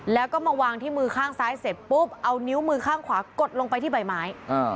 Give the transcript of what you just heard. แล้วก็มาวางที่มือข้างซ้ายเสร็จปุ๊บเอานิ้วมือข้างขวากดลงไปที่ใบไม้